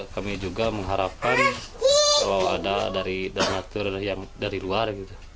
kami juga mengharapkan kalau ada dari donatur yang dari luar